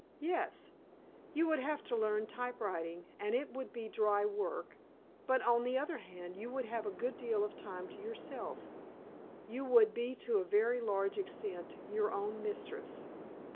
"Yes; you would have to learn typewriting, and it would be dry work. But, on the other hand, you would have a good deal of time to yourself. You would be to a very large extent your own mistress."